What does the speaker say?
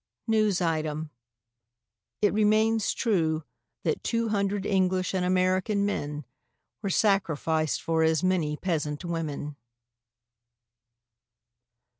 (News Item: It remains true that two hundred English and American men were sacrificed for as many peasant women.")